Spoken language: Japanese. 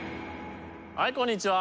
はいこんにちは。